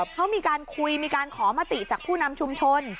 เขามีการคุยมีการขอมติจากผู้นำชุมชน